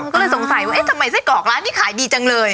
ก็เลยสงสัยว่าเอ๊ะทำไมไส้กรอกร้านนี้ขายดีจังเลย